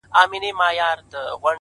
زلمي خوبونو زنګول کیسې به نه ختمېدي-